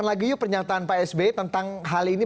lagi yuk pernyataan pak sby tentang hal ini